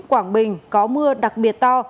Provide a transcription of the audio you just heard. quảng bình có mưa đặc biệt to